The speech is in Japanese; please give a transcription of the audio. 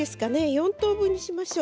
４等分にしましょう。